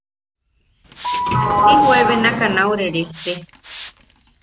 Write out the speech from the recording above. Si juebenaka nau rerejte.